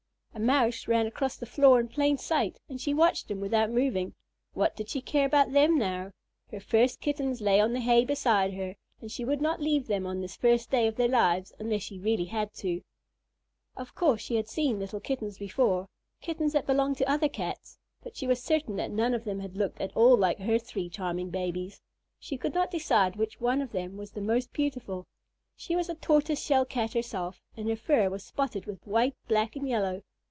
A Mouse ran across the floor in plain sight, and she watched him without moving. What did she care about them now? Her first Kittens lay on the hay beside her, and she would not leave them on this first day of their lives unless she really had to. Of course she had seen little Kittens before Kittens that belonged to other Cats but she was certain that none of them had looked at all like her three charming babies. She could not decide which one of them was the most beautiful. She was a Tortoise shell Cat herself, and her fur was spotted with white, black, and yellow.